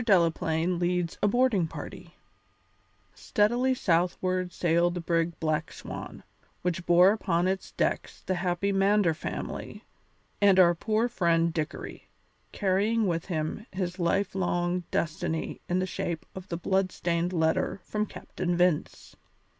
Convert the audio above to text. DELAPLAINE LEADS A BOARDING PARTY Steadily southward sailed the brig Black Swan which bore upon its decks the happy Mander family and our poor friend Dickory, carrying with him his lifelong destiny in the shape of the blood stained letter from Captain Vince.